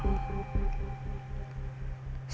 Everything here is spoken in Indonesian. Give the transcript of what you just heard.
gimana menurut a kang